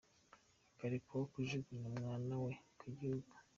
Arakekwaho kujugunya umwana we mu gihuru